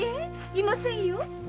いませんよ。